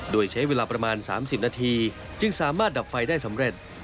โดยใช้เวลาประมาณ๓๐นาทีจึงสามารถดับไฟได้สำเร็จ